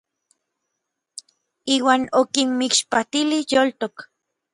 Iuan okinmixpantilij yoltok.